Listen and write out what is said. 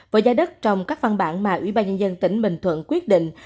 với giá đất trong các văn bản mà ủy ban nhân dân tỉnh bình thuận quyết định